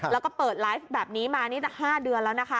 แล้วก็เปิดไลฟ์แบบนี้มา๕เดือนแล้ว